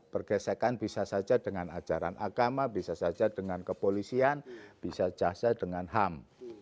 pergesekan bisa saja dengan ajaran agama bisa saja dengan kepolisian bisa jasa dengan ham